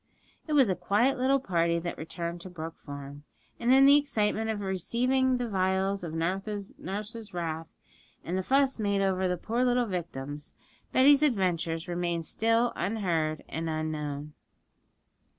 It was a quiet little party that returned to Brook Farm; and in the excitement of receiving the vials of nurse's wrath, and the fuss made over the poor little victims, Betty's adventures remained still unheard and unknown.